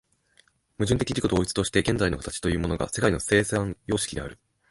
矛盾的自己同一として現在の形というものが世界の生産様式である。